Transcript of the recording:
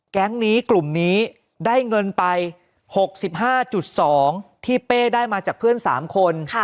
แก๊งนี้กลุ่มนี้ได้เงินไป๖๕๒ที่เป้ได้มาจากเพื่อน๓คน